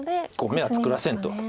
眼は作らせんと。